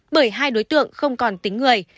bởi hai đối tượng không còn tính người